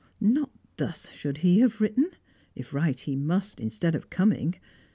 Not thus should he have written if write he must instead of coming.